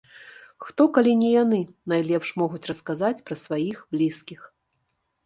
Хто, калі не яны, найлепш могуць расказаць пра сваіх блізкіх.